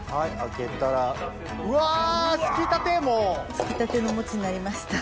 つきたてのお餅になりました。